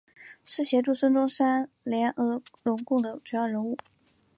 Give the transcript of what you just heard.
是协助孙中山联俄容共的主要人物。